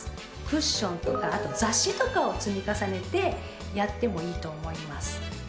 クッションとかあと雑誌とかを積み重ねてやってもいいと思います。